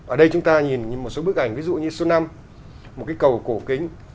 ở đây chúng ta nhìn như một số bức ảnh ví dụ như số năm một cái cầu cổ kính